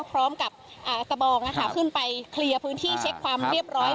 พร้อมกับสบองขึ้นไปเคลียร์พื้นที่เช็คความเรียบร้อย